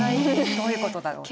どういうことだろうね。